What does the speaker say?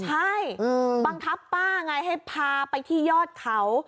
ใช่บังคับป้าไงให้พาไปที่ยอดเขา